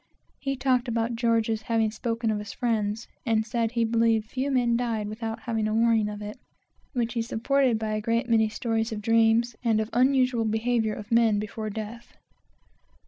He talked about George's having spoken of his friends, and said he believed few men died without having a warning of it, which he supported by a great many stories of dreams, and the unusual behavior of men before death.